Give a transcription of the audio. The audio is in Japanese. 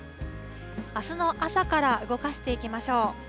あすの朝から動かしていきましょう。